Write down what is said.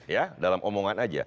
ya dalam omongan aja